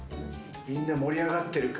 みんな盛り上がってるか？